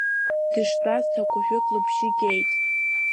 Дыштәаз ҭакәажәык лыбжьы геит.